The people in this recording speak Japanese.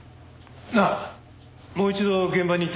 なあもう一度現場に行ってみないか？